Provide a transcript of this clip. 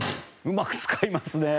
うまく使いますね。